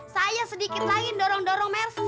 saya sedikit lagi dorong dorong mersi